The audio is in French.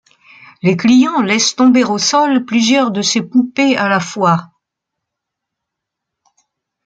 Les clients laissent tomber au sol plusieurs de ces poupées à la fois.